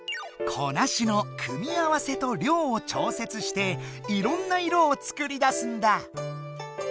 こなしの「組み合わせ」と「りょう」をちょうせつしていろんな色をつくり出すんだ。